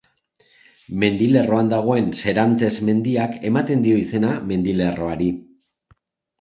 Mendilerroan dagoen Serantes mendiak ematen dio izena mendilerroari.